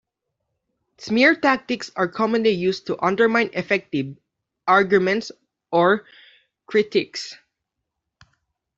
Smear tactics are commonly used to undermine effective arguments or critiques.